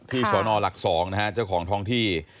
ที่สอนอห์หลัก๒นะฮะเจ้าของทองที่